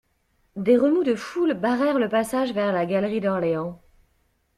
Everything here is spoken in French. Des remous de foule barrèrent le passage vers la galerie d'Orléans.